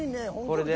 これで？